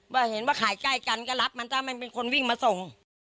ว่าเห็นว่าขายใกล้กันก็รับมันถ้ามันเป็นคนวิ่งมาส่ง